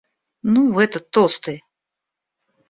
Ну, этот толстый.